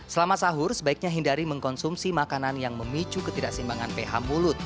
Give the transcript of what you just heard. selama sahur sebaiknya hindari mengkonsumsi makanan yang memicu ketidakseimbangan ph mulut